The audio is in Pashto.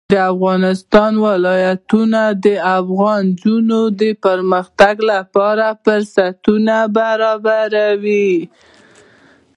د افغانستان ولايتونه د افغان نجونو د پرمختګ لپاره فرصتونه برابروي.